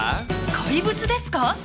怪物ですか？